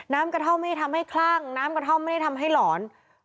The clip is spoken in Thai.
กระท่อมไม่ได้ทำให้คลั่งน้ำกระท่อมไม่ได้ทำให้หลอน